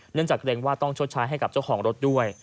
จากเกรงว่าต้องชดใช้ให้กับเจ้าของรถด้วย